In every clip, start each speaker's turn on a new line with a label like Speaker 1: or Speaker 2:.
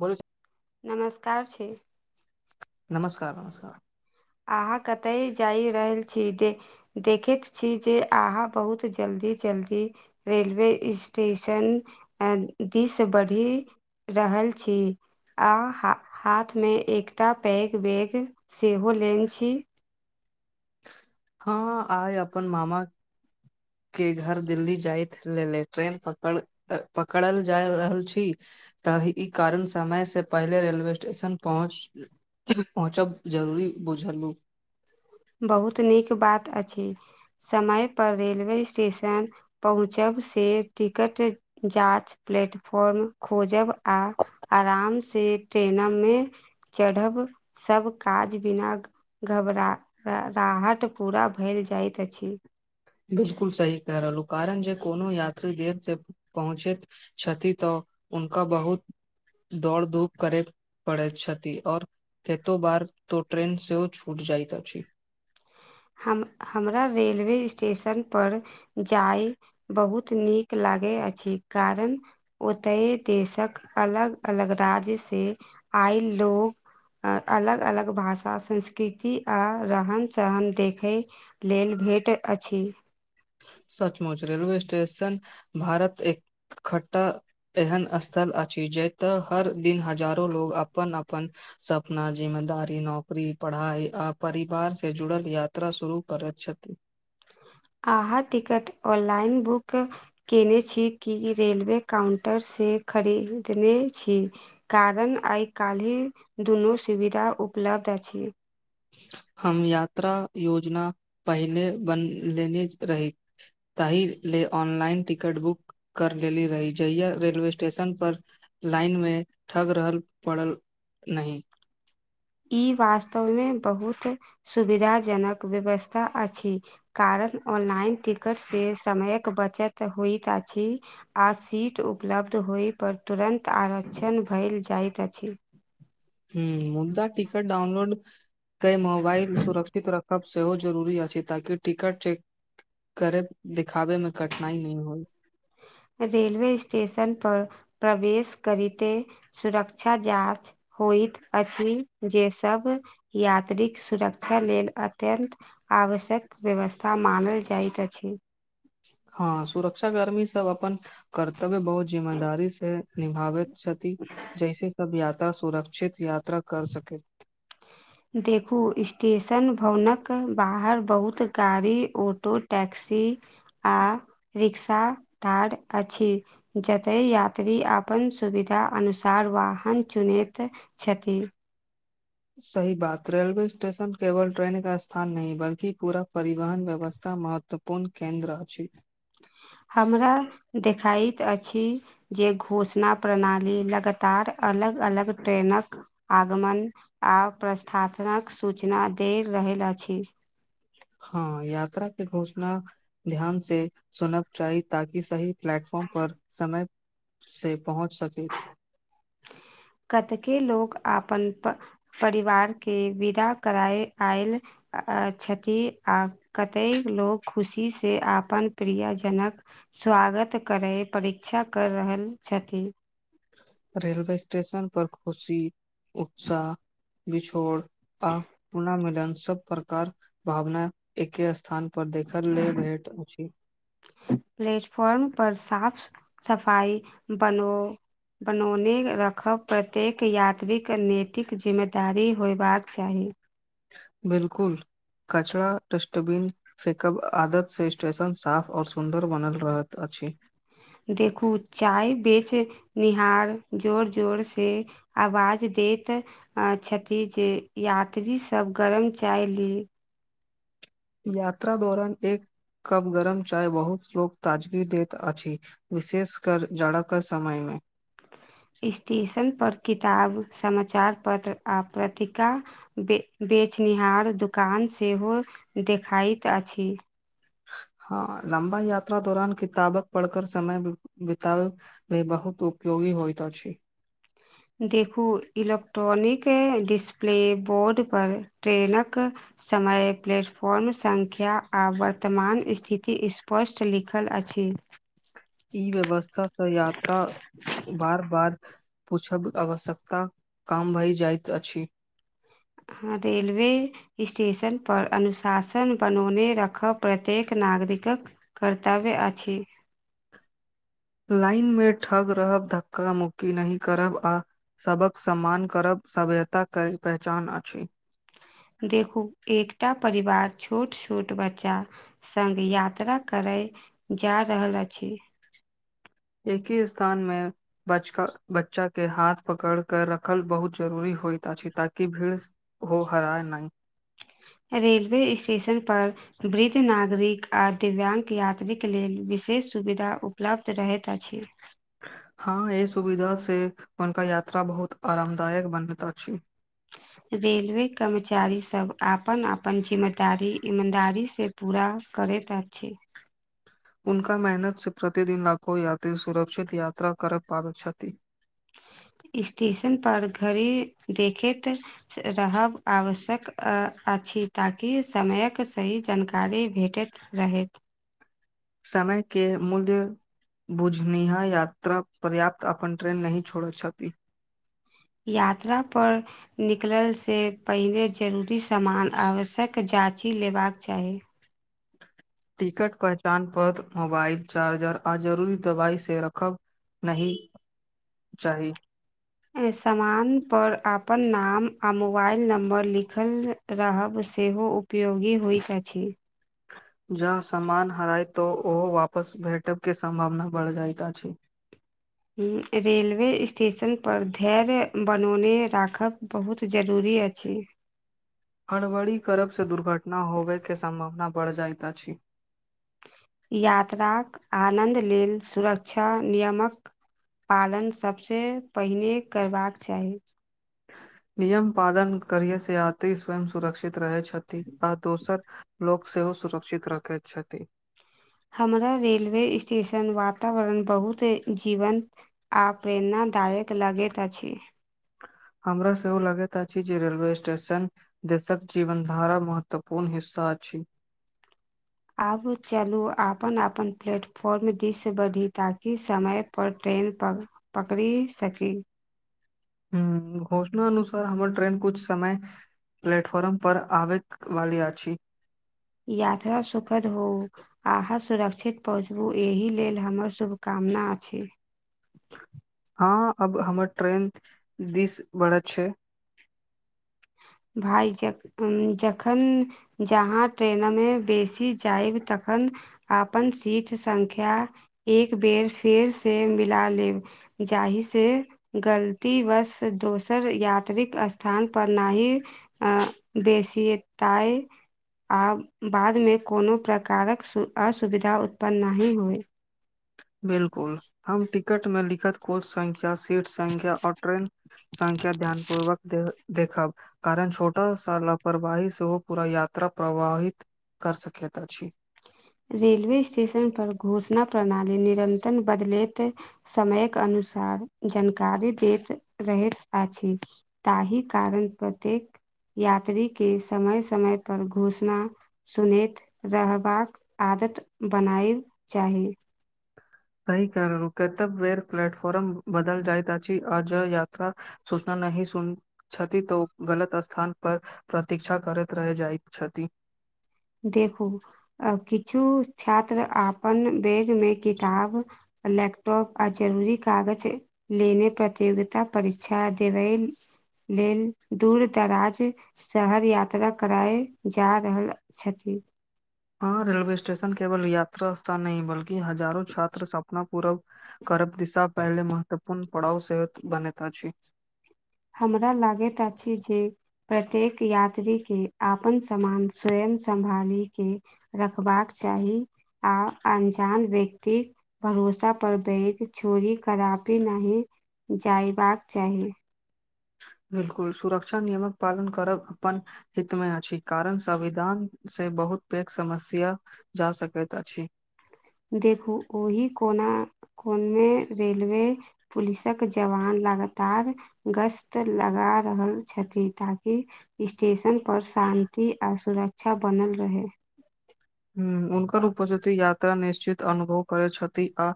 Speaker 1: बो [unintelligible]
Speaker 2: नमस्कार छी
Speaker 1: नमस्कार नमस्कार
Speaker 2: अहाँ कतइ जाय रहल छी के देखैत छी जे अहाँ बहुत जल्दी जल्दी रेलवे स्टेशन दिस बढ़ी रहल छी आ हाथ मे एकटा पैक बैग सेहो लेन छी
Speaker 1: हँ आय अपन मामा के घर दिल्ली जाय लेेले ट्रेन पकड़ पकड़ल जाय रहल छी तऽ ई कारण समय से पहिले रेलवे स्टेशन पहुँच पहुँचब जरुरी बुझलु
Speaker 2: बहुत नीक बात अछि समय पर रेलवे स्टेशन पहुँचब से टिकट जाँच प्लेटफॉर्म खोजब आ आराम से ट्रेन मे चढ़ब सब काज बिना घबरा र राहट पूरा भेल जाइत अछि
Speaker 1: बिलकुल सही क। रहलु कारण जे कोनो यात्री देर से पहुँचैत छथि तऽ हुनका बहुत दौड़ धूप करैक पड़ै छथि आओर केतो बार तो ट्रेन सेहो ओ छूट जाइत अछि।
Speaker 2: हम हमरा रेलवे स्टेशन पर जाइ बहुत नीक लागै अछि कारण ओतय देशक अलग अलग राज्य से आय लोग अलग अलग भाषा संस्कृर्ति आ रहन सहन देखय लेल भेट अछि
Speaker 1: सचमुच रेलवे स्टेशन भारत इकट्ठा एहन स्थल अछि जतऽ हर दिन हजारो लोग अपन अपन सपना जिम्मेदारी नौकरी पढ़ाई आ परिवार से जुड़ल यात्रा शुरू करैत छथि
Speaker 2: आहाँ टिकट ऑनलाइन बुक केने छी कि रेलवे काउंटर से खरीदने छी कारण आइ कलेह दुनू सुविधा उपलब्ध अछि
Speaker 1: हम यात्रा योजना पहिले बन लेने रही तहि ले ऑनलाइन टिकट बुक कर लेली रही जहिया रेलवे स्टेशन पर लाइन मे ठग रहल पड़ल नही
Speaker 2: ई वास्तव मे बहुत सुविधा जनक व्यवस्था अछि कारण ऑनलाइन टिकट से समय के बचत होइत अछि आ सीट उपलब्ध होय पर तुरंत आरक्षण भेल जाइत अछि
Speaker 1: ह मुद्दा टिकट डाउनलोड कै मोबइल सुरक्षित रख सेहो जरूरी अछि ताकि टिकट चेक करे देखिाबे मे कठिनाइ नहि होइ
Speaker 2: रेेलवे स्टेशन पर प्रवेश करै ते सुरक्षा जाँच होइत अछि जे सब यात्रीक सुरक्षा लेल अत्यन्त आवश्यक व्यवस्था मानल जाइत अछि
Speaker 1: हँ सुरक्षा कर्मी सब अपन कर्तव्य बहुत जिम्मेदारी से निभाबैत क्षति जैसे सब यात्रा सुरक्षित यात्रा कर सके
Speaker 2: देखू स्टेशन भवन क बाहर बहुत गाड़ी ऑटो टैक्सी आ रिक्शा टाइर अछि जतए यात्री अपन सुविधा अनुसार वाहन चुनैत छथिन
Speaker 1: [inaudible] सही बात रेलवे स्टेशन केवल ट्रेन क स्थान नहि बल्कि पूरा परिवहन व्यवस्था महत्व महत्वपूर्ण केन्द्र अछि
Speaker 2: हमरा देखाइत अछि जे घोषणा प्रणाली लगातार अलग अलग ट्रेन क आगमन आ प्रस्थासनक सूचना द रहल अछि
Speaker 1: हँ यात्रा के घोषणा ध्यान से सुनब चाहि ताकि सही प्लेटफॉर्म पर समय से पहुँच सकैथ
Speaker 2: कतके लोग अपन परिवार के विदा कराय आयल अ छथि आ कतेक लोक खुशीसँ अपन प्रिय जनक स्वागत करै परीक्षा कर रहल छथिन
Speaker 1: रेलवे स्टेशन पर खुशी उत्साह बिछोड़ आ पुनः मिलन सब प्रकार भावना एके स्थान पर देखल ले भेट अछि
Speaker 2: प्लेटफॉर्म पर साफ सफाई बनो बनौने रखब प्रत्येक यात्रीक नैतिक जिम्मेदारी होयबाक चाहि
Speaker 1: बिल्कुल कचड़ा डस्टबिन फेकअब आदतसँ स्टेशन साफ और सुन्दर बनल रहैत अछि
Speaker 2: देखू चाय बेचनिहार जोर जोरसँ आवाज दैत छथि जे यात्रीसब गरम चाय ली
Speaker 1: यात्रा दौरान एक कप गरम चाय बहुत लोग ताजगी दैत अछ विशेष कर जड़ क समय में
Speaker 2: स्टेशनपर किताब समाचार पत्र आ पत्रिका बे बेचनिहार दोकान सेहो देखाइत अछि
Speaker 1: हँ लम्बा यात्रा दौरान कितबक पढ़कर समय बिताब इ बहुत उपयोगी होइत अछि
Speaker 2: देखू इलेक्ट्रॉनिक डिस्प्लेबोर्डपर ट्रेनक समय प्लेट फॉर्म संख्या आ वर्तमान स्थिति स्पष्ट लिखल अछि
Speaker 1: ई व्यवस्थास से यात्रा बार बार पूछब आवश्यकता काम भइ जाइत अछि
Speaker 2: हं रेलवे स्टेशन पर अनुशासन बनौने रखब प्रत्येक नागरिकक कर्तव्य अछि
Speaker 1: लाइन में ठग रहब धक्का मुक्की नहि करब आ सबक सम्मान करब सभ्यताक पहचान अछि
Speaker 2: देखू एकटा परिवार छोट छोट बच्चा संग यात्रा करय जा रहल अछि
Speaker 1: एक हे स्थान में बचक बच्चा के हाथ पकड़ क रखल बहुत जरूरी होय छै ताकि भीड़ ओ हरा नहि
Speaker 2: रेलवे स्टेशन पर वृद्ध नागरिक आ दिव्याङ्ग यात्रीक लेल विशेष सुविधा उपलब्ध रहैत अछि
Speaker 1: हँ एहि सुविधा से हुनका यात्रा बहुत आरामदायक बनत अछि
Speaker 2: रेलवे कर्मचारी सब आपन आपन जिम्मेदारी ईमानदारी से पूरा करैत अछि
Speaker 1: उनका मेहनत से प्रतिदिन लाखो यात्री सुरक्षित यात्रा कर पाबै छथि
Speaker 2: स्टेशन पर घड़ी देखैत रहब आवश्यक अ अछि ताकि समयके सही जानकारी भेटैत रहै
Speaker 1: समय के मूल्य बुझनिहा यात्रा पर्याप्त अपन ट्रेन नहि छोड़ैत छथि
Speaker 2: यात्रापर निकलसँ पहिनेे जरूरी सामान आवश्यक जाँची लेबाक चाही
Speaker 1: टिकट पहचान पत्र मोबाइल चार्जर आ जरूरी दवाई से रखब नहि चाही
Speaker 2: सामानपर अपन नाम आ मोबाइल नम्बर लिखल रहब सेहो उपयोगी होइत अछि
Speaker 1: जँ सामान हराय तऽ ओहो वापस भेटब के सम्भावना बढ़ जाइत अछि
Speaker 2: रेलवे स्टेशनपर धैर्य बनौने राखब बहुत जरूरी अछि
Speaker 1: हड़बड़ी करबसँ दुर्घटना होबयके सम्भावना बढ़ि जाइत अछि
Speaker 2: यात्राक आनन्द लेल सुरक्षा नियमक पालन सबसे पहिने करबाक चाही
Speaker 1: नियम पालन करिये से यात्री स्वयं सुरक्षित रहै छथि दोसर लोग सेहो सुरक्षित रखे छथि
Speaker 2: हमरा रेलवे स्टेशन वातावरण बहुत जीवत आ प्रेरणादायक लगैत अछि
Speaker 1: हमरा सेहो लगैत अछि जे रेलवे स्टेशन देशक जीवन धारा महत्वपूर्ण हिस्सा अछि
Speaker 2: आगु चलू आपन आपन प्लेटफॉर्म दिस बढ़ी ताकि समयपर ट्रेन पकर पकड़ी सकी
Speaker 1: घोषणा अनुसार हमर ट्रेन कुछ समय प्लेटफॉर्म पर आबैत वाली अछि
Speaker 2: यात्रा सुखद हो अहाँ सुरक्षित पहुँचबू एहि लेल हमर शुभकामना अछि
Speaker 1: हँ अब हमर ट्रेन दिस [unintelligible] बढ़ैत छै
Speaker 2: भाय ज जखन जहाँ ट्रेन मे बेसी जायब तखन आपन सीट संख्या एक बेर फेर से मिला लेब ' जाहिसँ गलती बस दोसर यात्रिक स्थान पर नहि अ बेसी टाइम आब बादमे कोनो प्रकारक असुविधा उत्पन्न नहि होइ
Speaker 1: बिलकुल हम टिकट मे लिखत कोच संख्या सीट संख्या आर ट्रेन संख्या ध्यानपूर्वक देख देखब कारण छोटा सा लापरवाही सेहो पूरा यात्रा प्रवाहित कर सकैत अछि
Speaker 2: रेलवे स्टेशन पर घोषणा प्रणाली निरंतर बदलैत समयक अनुसार जानकारी दैत रहैत अछि। ताहि कारण प्रत्येक यात्री के समय समय पर घोषणा सुनैत रहबा आदत बनायब चात
Speaker 1: सही कहलहुं कतेक बेर प्लेटफॉर्म बदल जाइत अछि आ जल यात्रा सूचना नहि सुन छथि तऽ ओ गलत स्थान पर प्रतीक्षा करैत रहै जाइत छथि
Speaker 2: देखू आ किछु छात्र अपन बैग मे किताब लैपटॉप आ जरूरी कागज लेने प्रतियोगिता परीक्षा देवेन लेल दूर दराज शहर यात्रा कराय जा रहल छथि
Speaker 1: हँ रेलवे स्टेशन केवल यात्रा स्थान नहि बल्कि हजारो छात्र सपना पूरा करब दिशा पहिल महत्वपूर्ण पड़ाव सेहो त बनैत अछि
Speaker 2: हमरा लागैत अछि जे प्रत्येक यात्री के आपन समान स्वयं संभाली के रखबाक चाही आ अनजान व्यक्ति भरोसा पर बैग छोरी कदापि नहि जायबाक चाही
Speaker 1: बिल्कुल सुरक्षा नियमक पालन करब अपन हित मे अछि कारण संविधान से बहुत पैघ समस्या जा सकैत अछि
Speaker 2: देखू ओहि कोना कोन में रेलवे पुलिसक जवान लगातार गश्त लगा रहल छथि ताकि स्टेशन पर शान्ति आ सुरक्षा बनल रहै
Speaker 1: हुं हुनकर उपस्थित यात्रा निश्चित अनुभव करै छथि आ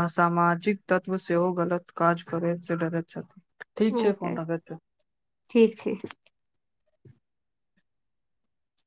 Speaker 1: असामाजिक तत्व सेहो गलत काज करै से डरैत छथि ठीक छै फोन राखैत छै
Speaker 2: ठीक छै